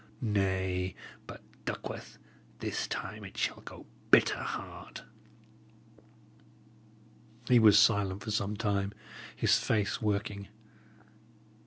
Nay, but, Duckworth, this time it shall go bitter hard!" He was silent for some time, his face working.